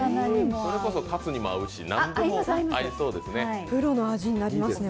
それこそカツにも合うし、何でも合いそうですね。